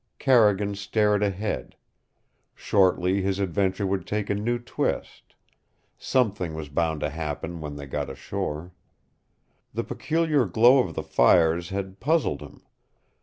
Carrigan stared ahead. Shortly his adventure would take a new twist. Something was bound to happen when they got ashore. The peculiar glow of the fires had puzzled him.